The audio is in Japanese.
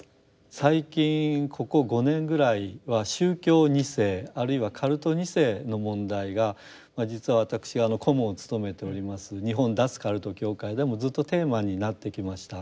最近ここ５年ぐらいは宗教２世あるいはカルト２世の問題が実は私顧問を務めております日本脱カルト協会でもずっとテーマになってきました。